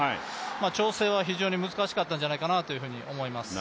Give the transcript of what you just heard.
調整は非常に難しかったんじゃないかなと思います。